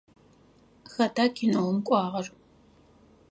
Хэта кинэум кӏуагъэр?